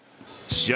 試合